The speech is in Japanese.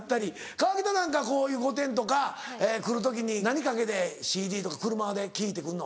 河北なんかはこういう『御殿‼』とか来る時に何かけてＣＤとか車で聴いて来るの？